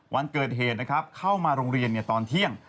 วันเกิดเหตุนะครับเข้ามาโรงเรียนตอนเที่ยง